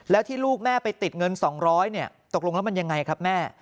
แล้วที่ลูกแม่ไปติดเงิน๒๐๐ตกลงแล้วมันยังไงครับแม่